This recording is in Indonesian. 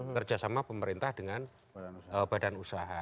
kerjasama pemerintah dengan badan usaha